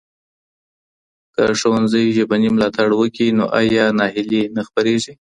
که ښوونځی ژبني ملاتړ وکړي نو ایا ناهیلي نه خپرېږي.